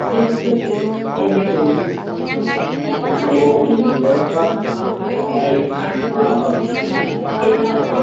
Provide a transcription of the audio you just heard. Maitei horyvéva maymávape.